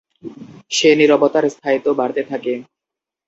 সে নীরবতার স্থায়ীত্ব বাড়তে থাকে।